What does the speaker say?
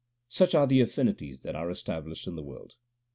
Such are the affinities that are established in the world.